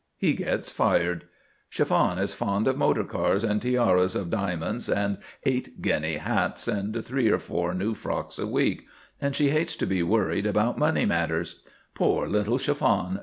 He gets fired. Chiffon is fond of motor cars and tiaras of diamonds and eight guinea hats and three or four new frocks a week, and she hates to be worried about money matters. "Poor little Chiffon!"